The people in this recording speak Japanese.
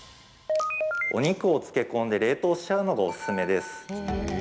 お肉を漬け込んで冷凍しちゃうのがおすすめです。